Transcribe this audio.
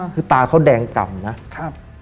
คือตาเขาแดงกล่ำนะครับ